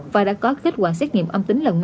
và đã có kết quả xét nghiệm âm tính lần một